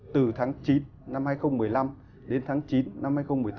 từ tháng chín năm hai nghìn một mươi năm đến tháng chín năm hai nghìn một mươi tám